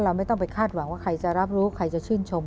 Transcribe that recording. ไม่ต้องไปคาดหวังว่าใครจะรับรู้ใครจะชื่นชม